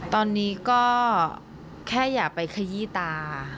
ตอนนี้ก็แค่อย่าไปขยี้ตา